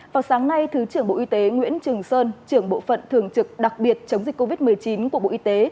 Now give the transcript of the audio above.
vào sáng nay thứ trưởng bộ y tế nguyễn trường sơn trưởng bộ phận thường trực đặc biệt chống dịch covid một mươi chín của bộ y tế